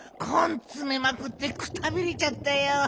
こんつめまくってくたびれちゃったよ。